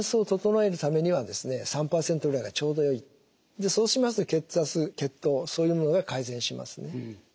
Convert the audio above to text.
でそうしますと血圧血糖そういうものが改善しますね。